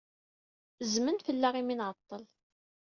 Zzmen fell-aɣ imi ay nɛeḍḍel.